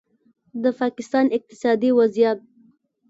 د پاکستان اقتصادي وضعیت